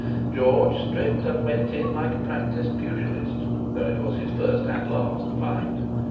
George stripped, and "went in" like a practised pugilist—though it was his first and last fight.